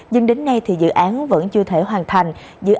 nhưng đến nay thì dự án vẫn chưa thể hoàn thành